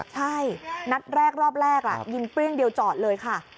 ใช่นัดแรกรอบแรกยิงเปรี้ยงเดียวจอดเลยค่ะ